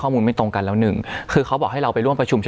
ไม่ตรงกันแล้วหนึ่งคือเขาบอกให้เราไปร่วมประชุมที่